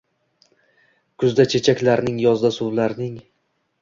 Kuzda chechaklarning yozda suvlarning